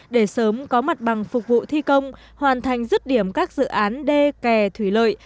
để sớm có mặt bằng phục vụ thi công hoàn thành dứt điểm các dự án đê kè thủy lợi